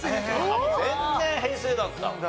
全然平成だった。